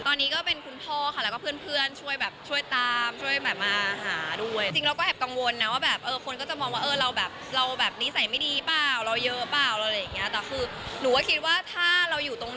ตอนนี้ก็เป็นคุณพ่อค่ะแล้วก็เพื่อนช่วยแบบช่วยตามช่วยแบบมาหาด้วย